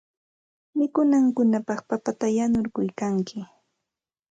Mikunankupaq papata yanuykalkanki.